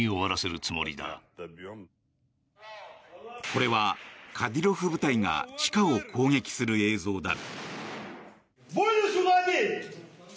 これはカディロフ部隊が地下を攻撃する映像だ。